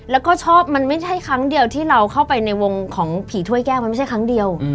แล้วก็ชอบมันไม่ใช่ครั้งเดียวที่เราเข้าไปในวงของผีถ้วยแก้วมันไม่ใช่ครั้งเดียว